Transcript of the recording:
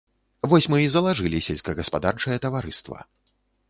Вось мы і залажылі сельскагаспадарчае таварыства.